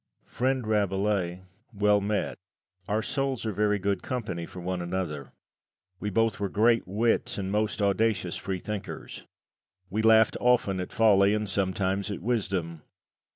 Friend Rabelais, well met our souls are very good company for one another; we both were great wits and most audacious freethinkers. We laughed often at folly, and sometimes at wisdom.